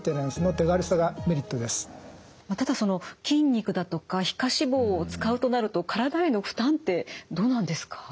ただその筋肉だとか皮下脂肪を使うとなると体への負担ってどうなんですか？